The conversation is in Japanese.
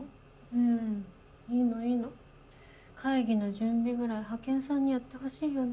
うんいいのいいの。会議の準備ぐらい派遣さんにやってほしいよね。